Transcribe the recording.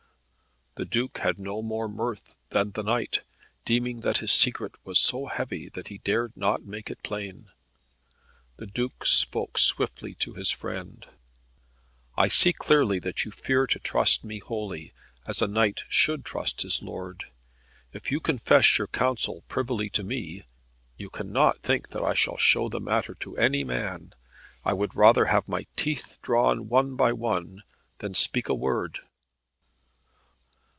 The Duke had no more mirth than the knight, deeming that his secret was so heavy that he dared not make it plain. The Duke spoke swiftly to his friend, "I see clearly that you fear to trust me wholly, as a knight should trust his lord. If you confess your counsel privily to me, you cannot think that I shall show the matter to any man. I would rather have my teeth drawn one by one, than speak a word."